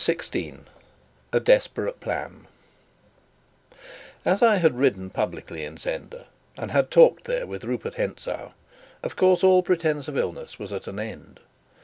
CHAPTER 16 A Desperate Plan As I had ridden publicly in Zenda, and had talked there with Rupert Hentzau, of course all pretence of illness was at an end.